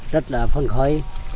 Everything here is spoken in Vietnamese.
rất là phấn khởi